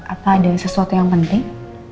apa ada sesuatu yang penting